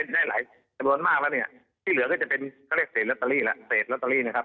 ได้หลายสำนวนมากแล้วเนี่ยที่เหลือก็จะเป็นก็เรียกเศษลัตเตอรี่แหละ